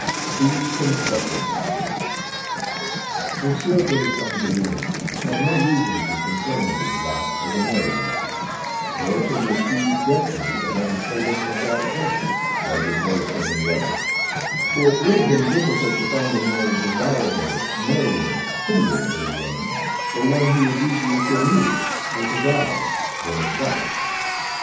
THE CONFESSION Monsieur de Champdelin had no reason to complain of his lot as a married man; nor could he accuse destiny of having played him in a bad turn, as it does so many others, for it would have been difficult to find a more desirable, merrier, prettier little woman, or one who was easier to amuse and to guide than his wife.